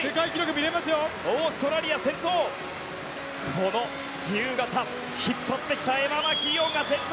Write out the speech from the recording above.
この自由形、引っ張ってきたエマ・マキーオンが先頭。